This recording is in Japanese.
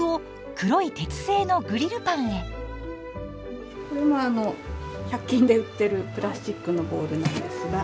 これも１００均で売ってるプラスチックのボウルなんですが。